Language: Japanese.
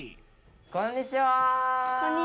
こんにちは。